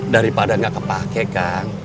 daripada gak kepake kang